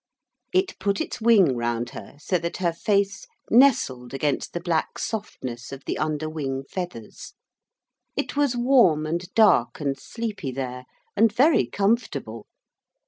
It put its wing round her so that her face nestled against the black softness of the under wing feathers. It was warm and dark and sleepy there, and very comfortable.